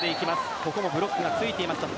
ここもブロックがついていました。